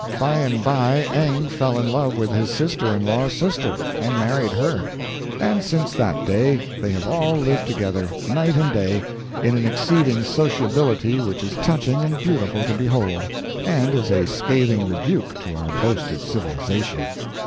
By and by Eng fell in love with his sister in law's sister, and married her, and since that day they have all lived together, night and day, in an exceeding sociability which is touching and beautiful to behold, and is a scathing rebuke to our boasted civilization.